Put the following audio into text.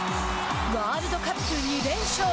ワールドカップ２連勝！